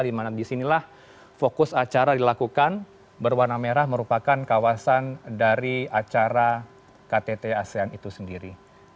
di mana di sinilah fokus acara dilakukan berwarna merah merupakan kawasan dari acara ktt asean itu sendiri